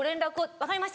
「分かりました」。